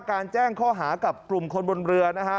การแจ้งเข้าหากับกลุ่มคนบนเรือ